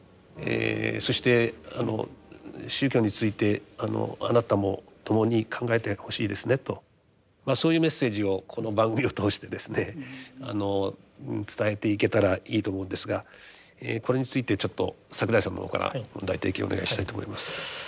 そして宗教についてあなたも共に考えてほしいですねとそういうメッセージをこの番組を通してですね伝えていけたらいいと思うんですがこれについてちょっと櫻井さんの方から問題提起をお願いしたいと思います。